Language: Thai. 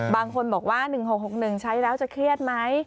บางคนบอกว่า๑๖๖๑ใช้แล้วจะเครียดไหม